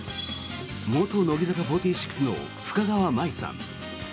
元乃木坂４６の深川麻衣さん。